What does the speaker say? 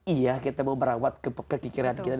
iya kita mau merawat kepikiran kita